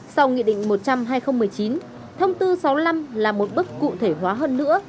sau nghị định một trăm linh hai nghìn một mươi chín thông tư sáu mươi năm là một bước cụ thể hóa hơn nữa